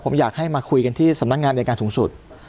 ผมอยากให้มาคุยกันที่สำนักงานอายการสูงสุด